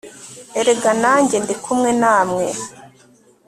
erega nanjye ndi kumwe namwe